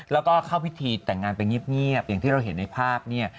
แล้วก็เข้าพิธีแต่งงานไปเงียบอย่างที่เราเห็นในภาพเนี่ย